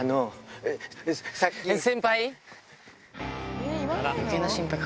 先輩！